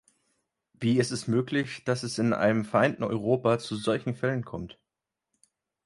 Wie ist es möglich, dass es in einem vereinten Europa zu solchen Fällen kommt?